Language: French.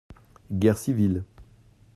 - Guerre civile.